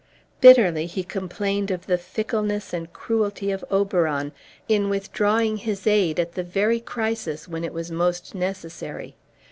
Bitterly he complained of the fickleness and cruelty of Oberon in withdrawing his aid at the very crisis when it was most necessary.